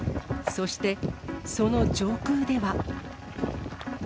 そして、その上空では。